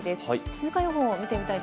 週間予報です。